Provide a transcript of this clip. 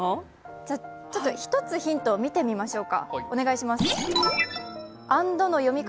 じゃ、１つヒントを見てみましょうか。